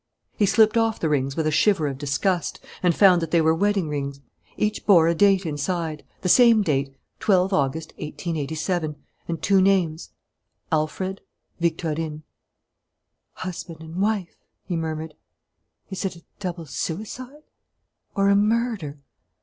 He slipped off the rings with a shiver of disgust, and found that they were wedding rings. Each bore a date inside, the same date, 12 August, 1887, and two names: "Alfred Victorine." "Husband and wife," he murmured. "Is it a double suicide? Or a murder?